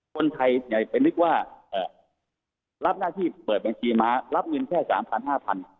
คนไทยไงไปนึกว่าเอ่อรับหน้าที่เปิดบัญชีมารับเงินแค่สามพันห้าพัน